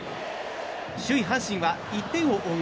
首位、阪神は１点を追う